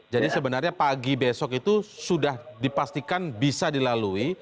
jadi sebenarnya pagi besok itu sudah dipastikan bisa dilalui